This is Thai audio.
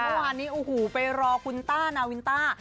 เมื่อวานนี้โอ้โหไปรอคุณต้านาวินต้า